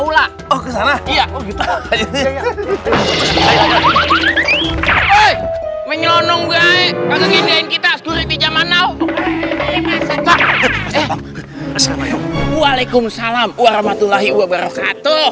lu mau kemanain kalau begitu